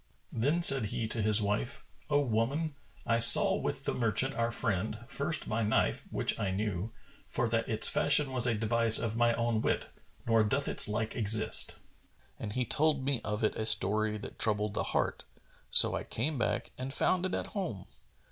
Then said he to his wife, "O woman, I saw with the merchant our friend, first my knife, which I knew, for that its fashion was a device of my own wit, nor doth its like exist; and he told me of it a story that troubled the heart: so I came back and found it at home.